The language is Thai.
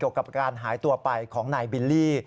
กับการหายตัวไปของนายบิลลี่